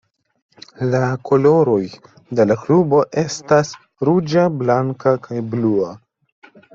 La koloroj de la klubo estas ruĝa, blanka, kaj blua.